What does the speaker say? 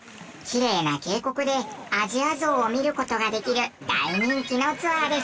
きれいな渓谷でアジアゾウを見る事ができる大人気のツアーです。